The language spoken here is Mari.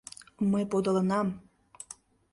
Мый подылынам...